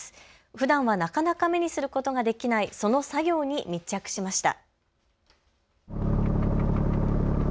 ふだんはなかなか目にすることができないその作業に密着しました。